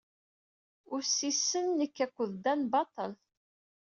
Ussisen-nnek akk ddan baṭel.